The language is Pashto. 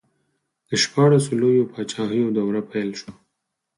د شپاړسو لویو پاچاهیو دوره پیل شوه.